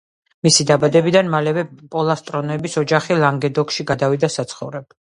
მისი დაბადებიდან მალევე პოლასტრონების ოჯახი ლანგედოკში გადავიდა საცხოვრებლად.